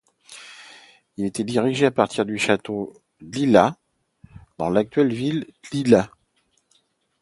Il était dirigé à partir du château d'Iida dans l'actuelle ville d'Iida.